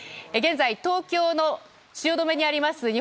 現在、東京の汐留にあります